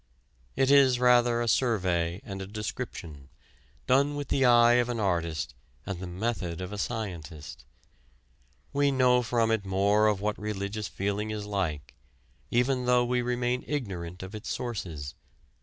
It is rather a survey and a description, done with the eye of an artist and the method of a scientist. We know from it more of what religious feeling is like, even though we remain ignorant of its sources.